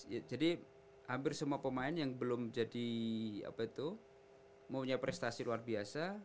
ya jadi hampir semua pemain yang belum jadi apa itu punya prestasi luar biasa